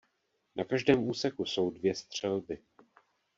Na každém úseku jsou dvě střelby.